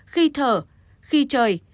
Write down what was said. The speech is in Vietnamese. khi thở khi trời